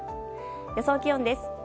予想気温です。